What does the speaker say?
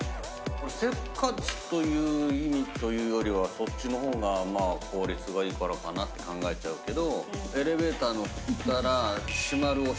せっかちという意味というよりはそっちの方が効率がいいからかなって考えちゃうけど。